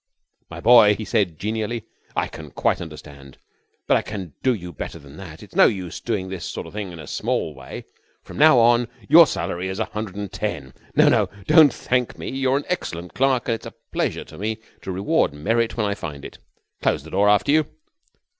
"My boy," he said genially, "I quite understand. But I can do you better than that. It's no use doing this sort of thing in a small way. From now on your salary is a hundred and ten. No, no, don't thank me. You're an excellent clerk, and it's a pleasure to me to reward merit when I find it. Close the door after you."